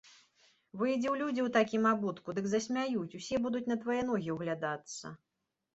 Выйдзі ў людзі ў такім абутку, дык засмяюць, усе будуць на твае ногі ўглядацца.